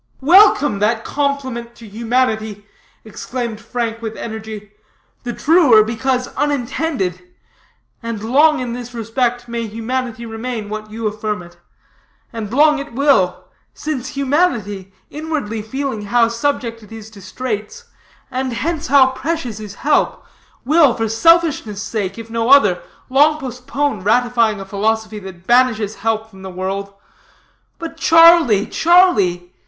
"Welcome, that compliment to humanity," exclaimed Frank with energy, "the truer because unintended. And long in this respect may humanity remain what you affirm it. And long it will; since humanity, inwardly feeling how subject it is to straits, and hence how precious is help, will, for selfishness' sake, if no other, long postpone ratifying a philosophy that banishes help from the world. But Charlie, Charlie!